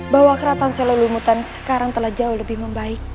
bahwa keratan selalu lumutan sekarang telah jauh lebih membaik